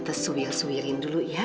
kita suwir suwirin dulu ya